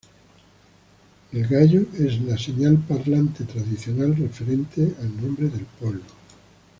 El gallo es el señal parlante tradicional referente al nombre del pueblo.